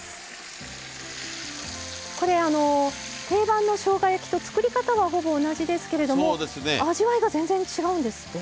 これ定番のしょうが焼きと作り方はほぼ同じですけれども味わいが全然違うんですってね。